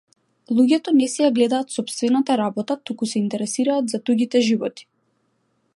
Луѓето не си ја гледаат сопстевната работа туку се интересираат за туѓите животи.